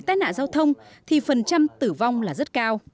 tai nạn giao thông thì phần trăm tử vong là rất cao